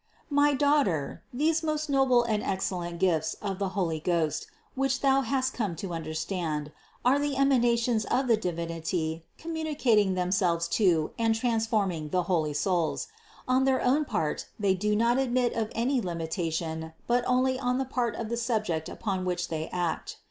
612. My daughter, these most noble and excellent gifts of the Holy Ghost, which thou hast come to understand, are the emanations of the Divinity communicating them selves to and transforming the holy souls: on their own part they do not admit of any limitation but only on the part of the subject upon which they act.